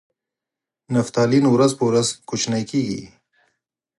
نفتالین ورځ په ورځ کوچنۍ کیږي.